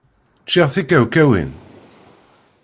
Ččiɣ tikawkawin.